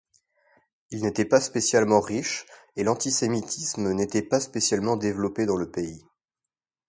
Ils n'étaient pas spécialement riches, et l'antisémitisme n'était pas spécialement développé dans le pays.